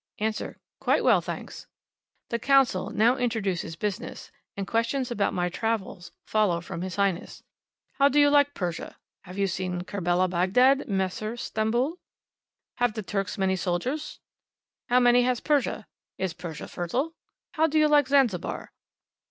Answer. "Quite well, thanks!" The Consul now introduces business; and questions about my travels follow from His Highness "How do you like Persia?" "Have you seen Kerbela, Bagdad, Masr, Stamboul?" "Have the Turks many soldiers?" "How many has Persia?" "Is Persia fertile?" "How do you like Zanzibar?"